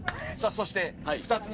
そして２つ目。